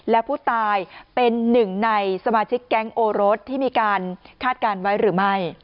และผู้ตายเป็นหนึ่งในสมาชิกแก๊งโอรสที่มีการคาดการณ์ไว้หรือไม่